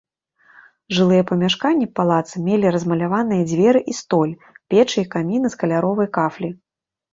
Жылыя памяшканні палаца мелі размаляваныя дзверы і столь, печы і каміны з каляровай кафлі.